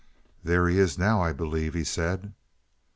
"There he is now, I believe," he said.